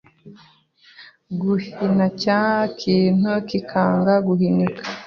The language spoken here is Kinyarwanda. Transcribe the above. guhina cya kintu kikanga guhinika